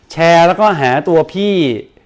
แชร์แล้วก็หาตัวพี่